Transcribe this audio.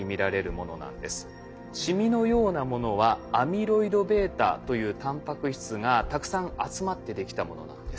シミのようなものはアミロイドβというたんぱく質がたくさん集まってできたものなんです。